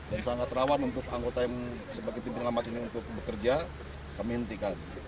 dan sangat rawan untuk anggota yang sebagai tim penyelamat ini untuk bekerja kami hentikan